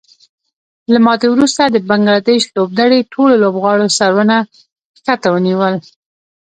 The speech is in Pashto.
له ماتې وروسته د بنګلادیش لوبډلې ټولو لوبغاړو سرونه ښکته ونیول